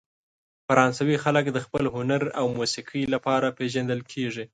فرانسوي خلک د خپل هنر او موسیقۍ لپاره پېژندل کیږي.